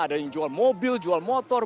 ada yang jual mobil jual motor